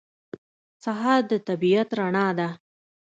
سهار د طبیعت رڼا ده.